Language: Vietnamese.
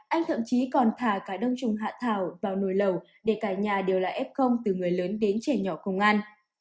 anh thậm chí còn thả cả đông trùng hạn thảo vào nồi lẩu để cả nhà đều là ép không từ người lớn đến trẻ nhỏ không ăn